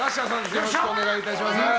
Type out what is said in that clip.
よろしくお願いします。